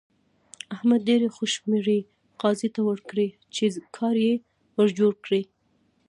احمد ډېرې خوشمړې قاضي ته ورکړې چې کار يې ور جوړ کړي.